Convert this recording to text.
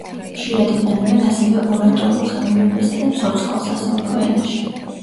ხშირად იყენებენ ასევე ორატორულ ხელოვნებასა და ცოცხალ, სასაუბრო ენაში.